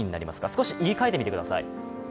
少し言いかえてみてください。